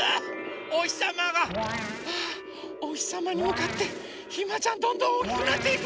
おひさまがああおひさまにむかってひまちゃんどんどんおおきくなっていく。